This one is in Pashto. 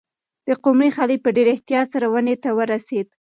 د قمرۍ خلی په ډېر احتیاط سره ونې ته ورسېد.